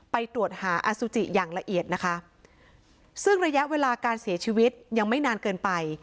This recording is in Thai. ไปตรวจหาอสุจิอย่างละเอียดนะคะซึ่งระยะเวลาการเสียชีวิตยังไม่นานเกินไป